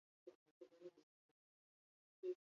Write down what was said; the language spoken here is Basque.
Ertzainak lanean krimena gertatu den lekuan.